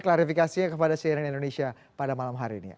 klarifikasinya kepada cnn indonesia pada malam hari ini